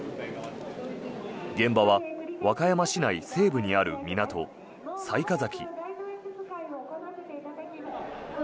現場は、和歌山市内西部にある港雑賀崎。